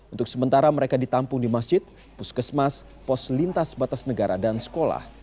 untuk sementara mereka ditampung di masjid puskesmas pos lintas batas negara dan sekolah